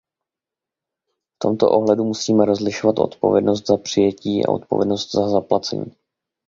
V tomto ohledu musíme rozlišovat odpovědnost za přijetí a odpovědnost za zaplacení.